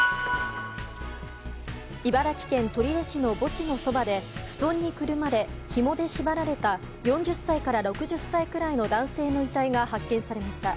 茨城県取手市の墓地のそばで布団にくるまれ、ひもで縛られた４０歳から６０歳くらいの男性の遺体が発見されました。